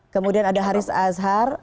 kemudian ada haris azhar